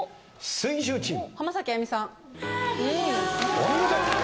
お見事！